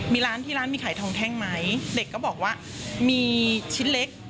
มีร้านที่ร้านมีขายทองแท่งไหมเด็กก็บอกว่ามีชิ้นเล็ก